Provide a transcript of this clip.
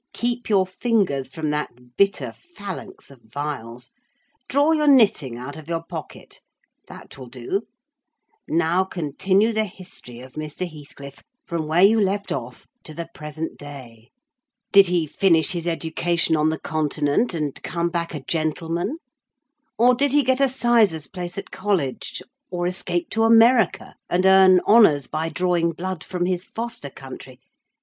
Keep your fingers from that bitter phalanx of vials. Draw your knitting out of your pocket—that will do—now continue the history of Mr. Heathcliff, from where you left off, to the present day. Did he finish his education on the Continent, and come back a gentleman? or did he get a sizar's place at college, or escape to America, and earn honours by drawing blood from his foster country?